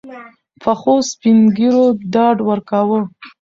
پخوسپین ږیرو ډاډ ورکاوه.